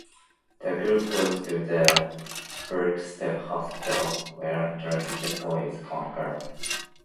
The group goes to the Burkittsville hospital, where Tristen's miscarriage is confirmed.